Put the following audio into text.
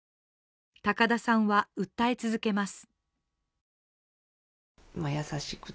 高田さんは訴え続けます。